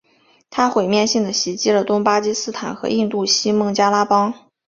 它毁灭性地袭击了东巴基斯坦和印度西孟加拉邦。